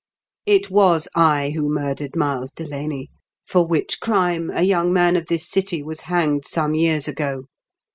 "It was I who murdered Miles Delaney, for which crime a young man of this city was hanged some years ago.